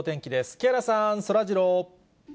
木原さん、そらジロー。